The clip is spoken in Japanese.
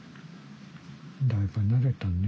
だいぶ慣れたね。